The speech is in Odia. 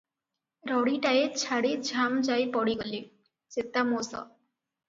ରଡ଼ିଟାଏ ଛାଡ଼ି ଝାମ ଯାଇ ପଡ଼ି ଗଲେ, ଚେତା ମୋଷ ।